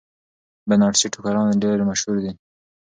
بنارسي ټوکران ډیر مشهور دي.